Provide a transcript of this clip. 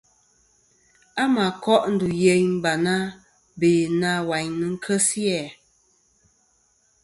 A mà koʼ ndù yeyn Barna, be na wayn nɨn kesi a.